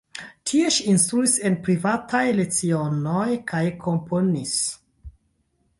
Tie ŝi instruis en privataj lecionoj kaj komponis.